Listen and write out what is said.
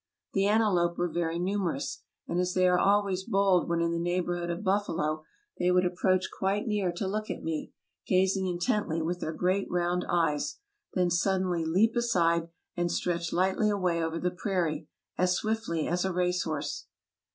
The antelope were very numerous ; and as they are always bold when in the neighborhood of buffalo, they would ap proach quite near to look at me, gazing intently with their great round eyes, then suddenly leap aside, and stretch lightly away over the prairie, as swiftly as a racehorse.